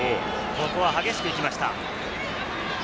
ここは激しく行きました。